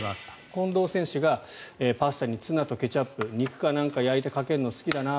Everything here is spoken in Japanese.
近藤選手がパスタにツナとケチャップ肉か何かを焼いてかけるの好きだな。